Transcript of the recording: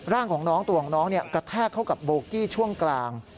ร่างของน้องตัวของน้องกระแทกเข้ากับโบกี้ช่วงกลาง